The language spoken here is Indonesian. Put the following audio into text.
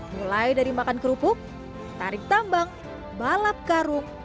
mulai dari makan kerupuk tarik tambang balap karung